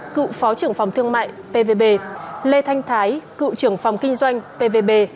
cựu phó trưởng phòng thương mại pvb lê thanh thái cựu trưởng phòng kinh doanh pvb